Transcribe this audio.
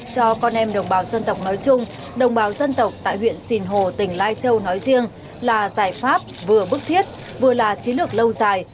cho con em đồng bào dân tộc nói chung đồng bào dân tộc tại huyện sìn hồ tỉnh lai châu nói riêng là giải pháp vừa bức thiết vừa là chiến lược lâu dài